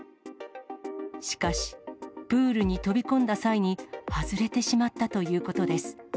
しかし、プールに飛び込んだ際に、外れてしまったということです。